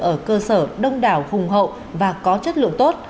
ở cơ sở đông đảo hùng hậu và có chất lượng tốt